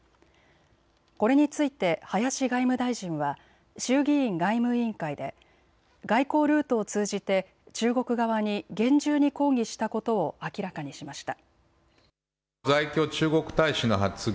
これについて林外務大臣は衆議院外務委員会で外交ルートを通じて中国側に厳重に抗議したことを明らかにしました。